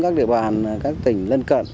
các địa bàn các tỉnh lân cận